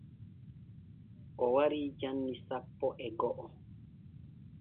O warii janni sappo e go’o.